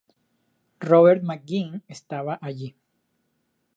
Robert McGuinn estaba allí.